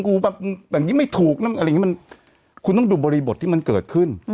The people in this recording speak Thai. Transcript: แบบนี้ไม่ถูกนะอะไรอย่างนี้มันคุณต้องดูบริบทที่มันเกิดขึ้น